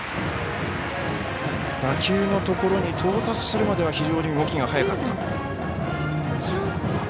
打球のところに到達するまで非常に動きが速かった。